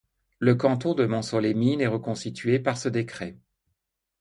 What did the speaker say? Le canton de Montceau-les-Mines est reconstitué par ce décret.